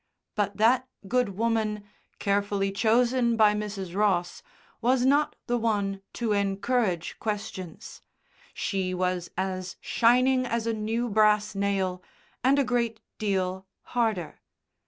But that good woman, carefully chosen by Mrs. Ross, was not the one to encourage questions. She was as shining as a new brass nail, and a great deal harder.